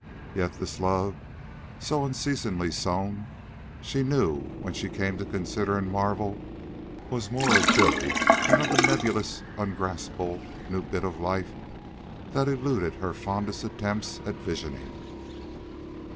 Yet this love, so unceasingly sewn, she knew when she came to consider and marvel, was more of Billy than of the nebulous, ungraspable new bit of life that eluded her fondest attempts at visioning.